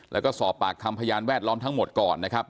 แล้วก็สอบปากคำพยานแวดล้อมทั้งหมดก่อนนะครับ